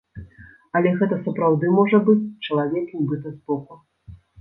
Але гэта сапраўды можа быць чалавек нібыта збоку.